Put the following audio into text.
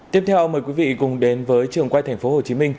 tiếp theo mời quý vị cùng đến với trường quay tp hcm